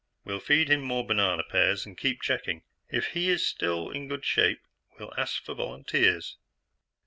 "We'll feed him more banana pears, and keep checking. If he is still in good shape, we'll ask for volunteers."